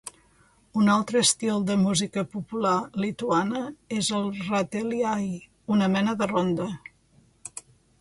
Un altre estil de música popular lituana és el rateliai, una mena de ronda.